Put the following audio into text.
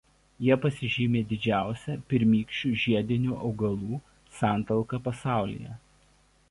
Jie pasižymi didžiausia pirmykščių žiedinių augalų santalka pasaulyje.